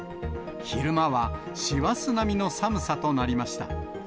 昼間は師走並みの寒さとなりました。